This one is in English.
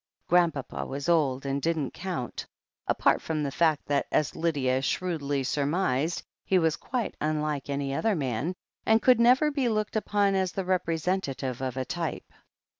Grandpapa was old and didn't count — ^apart from the fact that, as Lydia shrewdly surmised, he was quite tmlike any other man, and could never be looked upon as the representative of a type.